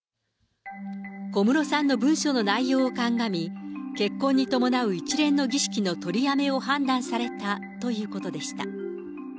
小室さんの文書の内容を鑑み、結婚に伴う一連の儀式の取りやめを判断されたということでした。